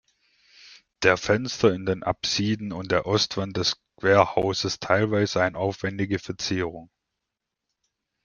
Der Fenster in den Apsiden und der Ostwand des Querhauses teilweise eine aufwändige Verzierung.